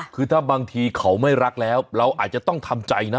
คือถ้าบางทีเขาไม่รักแล้วเราอาจจะต้องทำใจนะ